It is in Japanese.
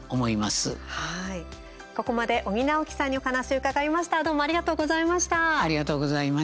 ここまで尾木直樹さんにお話伺いました。